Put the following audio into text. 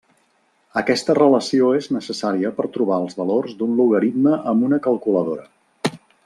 Aquesta relació és necessària per trobar els valor d'un logaritme amb una calculadora.